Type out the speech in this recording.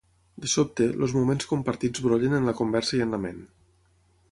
De sobte, els moments compartits brollen en la conversa i en la ment.